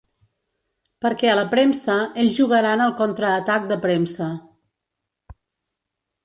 Perquè a la premsa, ells jugaran al contraatac de premsa.